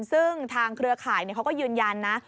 ซึ่งทางเครือข่ายเขาก็ยืนยันนะ